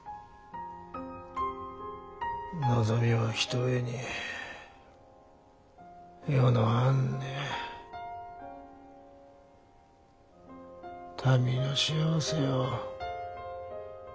望みはひとえに世の安寧民の幸せよ。